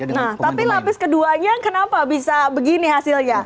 nah tapi lapis keduanya kenapa bisa begini hasilnya